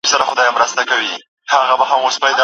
څوک په حضوري ټولګي کي د استاد لارښوونې تعقيبوي؟